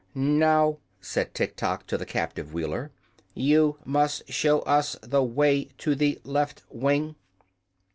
|||++ "Now," said Tiktok to the captive Wheeler, "you must show us the way to the Left Wing."